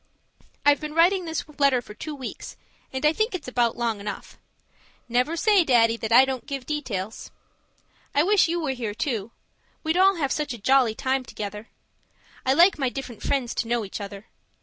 I've been writing this letter for two weeks, and I think it's about long enough. Never say, Daddy, that I don't give details. I wish you were here, too; we'd all have such a jolly time together. I like my different friends to know each other.